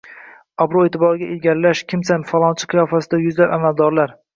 obro’-e’tiborda ilgarilash, kimsan – falonchi qiyofasida yuzlab amaldorlar